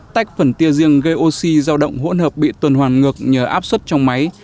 tách phần tia riêng gây oxy giao động hỗn hợp bị tuần hoàn ngược nhờ áp suất trong máy